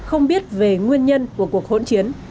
không biết về nguyên nhân của cuộc hỗn chiến